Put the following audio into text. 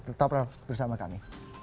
tetap bersama kami